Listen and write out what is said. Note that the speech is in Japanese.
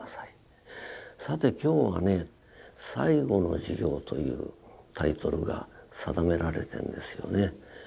さて今日はね「最後の授業」というタイトルが定められてんですよね。